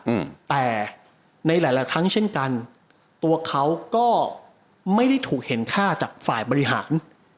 อืมแต่ในหลายครั้งเช่นกันตัวเขาก็ไม่ได้ถูกเห็นค่าจากฝ่ายบริหาร